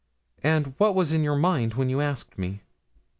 And what was in your mind when you asked me?'